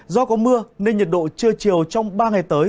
do có mưa nên nhiệt độ trưa chiều trong ba ngày tới